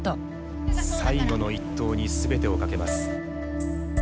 最後の一投に全てをかけます。